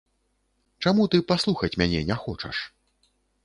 Чаму ты паслухаць мяне не хочаш?